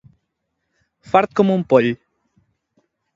Fart com un poll.